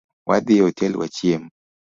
Wadhii e hotel wachiem